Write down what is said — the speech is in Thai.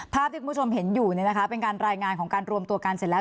ภาพที่คุณผู้ชมเห็นอยู่เป็นการรายงานของการรวมตัวกันเสร็จแล้ว